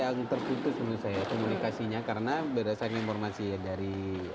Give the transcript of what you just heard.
yang terputus menurut saya komunikasinya karena berdasarkan informasi dari